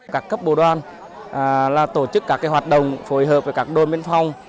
các cấp bộ đoàn tổ chức các hoạt động phối hợp với các đôi biên phòng